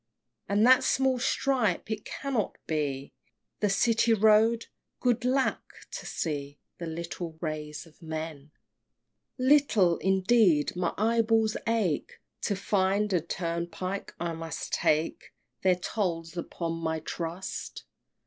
And that small stripe? it cannot be The City Road! Good lack! to see The little ways of men! VII. Little, indeed! my eyeballs ache To find a turnpike. I must take Their tolls upon my trust!